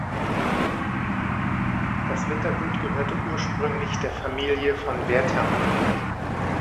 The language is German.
Das Rittergut gehörte ursprünglich der Familie von Werthern.